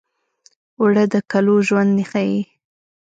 اوړه د کلو ژوند ښيي